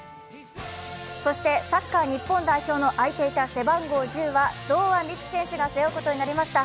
そしてサッカー日本代表の空いていた背番号１０は堂安律選手が背負うことになりました。